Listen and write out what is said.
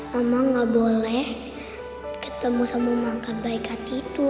mama gak boleh ketemu sama maka baik hati itu